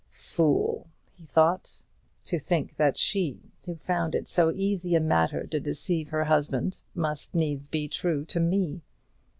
"Fool!" he thought, "to think that she, who found it so easy a matter to deceive her husband, must needs be true to me.